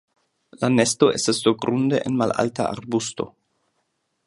La nesto estas surgrunde en malalta arbusto.